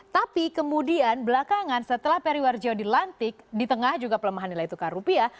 tapi kemudian belakangan setelah periwarjo dilantik di tengah juga pelemahan nilai tukar rupiah